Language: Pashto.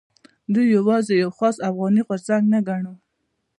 دوی یوازې یو خاص افغاني غورځنګ نه ګڼو.